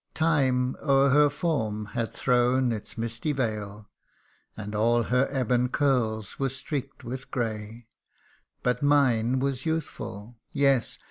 Time o'er her form had thrown his misty veil, And all her ebon curls were streak'd with grey : But mine was youthful yes